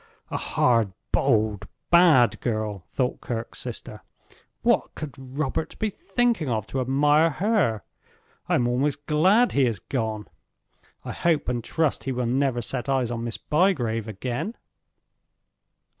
"A hard, bold, bad girl," thought Kirke's sister. "What could Robert be thinking of to admire her? I am almost glad he is gone. I hope and trust he will never set eyes on Miss Bygrave again."